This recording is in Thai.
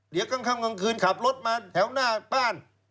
เดี๋ยวกลางค่ำกลางคืนขับรถมาแถวหน้าบ้าน